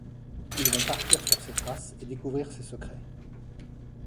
Ils vont partir sur ses traces et découvrir ses secrets.